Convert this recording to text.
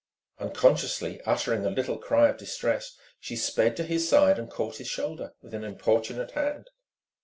Unconsciously uttering a little cry of distress she sped to his side and caught his shoulder with an importunate hand.